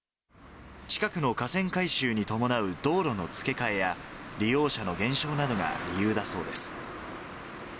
近くの河川改修に伴う道路の付け替えや、利用者の減少などが理由だそうです。